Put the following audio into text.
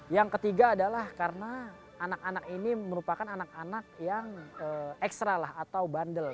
yang ketiga adalah karena anak anak ini merupakan anak anak yang ekstra atau bandel